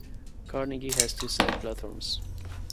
Carnegie has two side platforms.